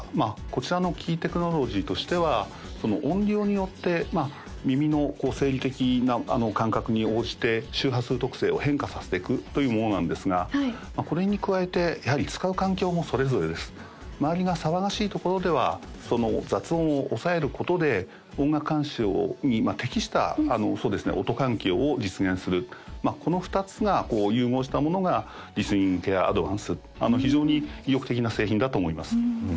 こちらのキーテクノロジーとしては音量によって耳の生理的な感覚に応じて周波数特性を変化させていくというものなんですがこれに加えてやはり使う環境もそれぞれです周りが騒がしいところではその雑音を抑えることで音楽鑑賞に適したあのそうですね音環境を実現するこの２つが融合したものがリスニングケアアドバンスド非常に意欲的な製品だと思います